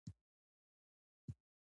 د توکو ویش د وسایلو په ویش پورې تړلی دی.